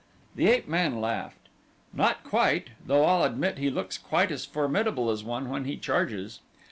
The ape man laughed. "Not quite, though I'll admit he looks quite as formidable as one when he charges."